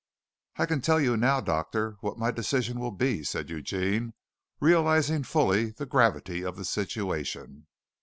"I can tell you now, doctor, what my decision will be," said Eugene realizing fully the gravity of the situation.